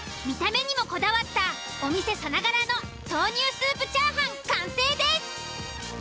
見た目にもこだわったお店さながらの豆乳スープチャーハン完成です。